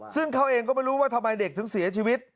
ซึ่งเขาเองก็ไม่รู้ว่าทำไมเด็กถึงเสียชีวิต